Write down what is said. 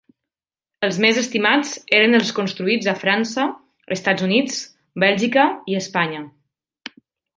Els més estimats eren els construïts a França, Estats Units, Bèlgica i Espanya.